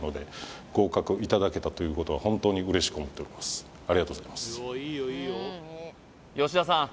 私もありがとうございます吉田さん